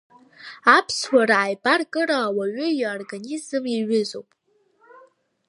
Аԥсуара аибаркыра ауаҩы иорганизм иаҩызоуп…